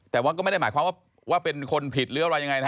แต่ว่าก็ไม่ได้หมายความว่าเป็นคนผิดหรืออะไรยังไงนะฮะ